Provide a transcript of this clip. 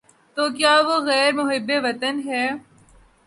تو کیا وہ غیر محب وطن ہے؟